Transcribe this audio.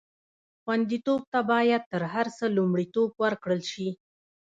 خوندیتوب ته باید تر هر څه لومړیتوب ورکړل شي.